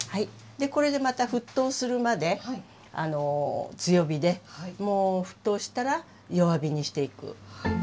これでまた沸騰するまで強火でもう沸騰したら弱火にしていくはい。